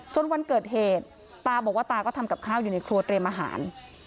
วันเกิดเหตุตาบอกว่าตาก็ทำกับข้าวอยู่ในครัวเตรียมอาหาร